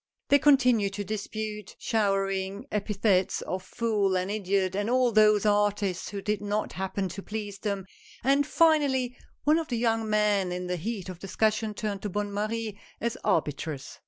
They continued to dispute, showering epithets of fool and idiot on all those artists who did not happen to please them, and finally one of the young men in the heat of discussion turned to Bonne Marie as arbitress.